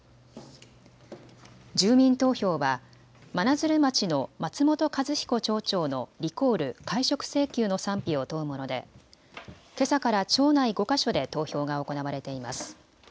住民投票は真鶴町の松本一彦町長のリコール・解職請求の賛否を問うものでけさから町内５か所で投票が行われています。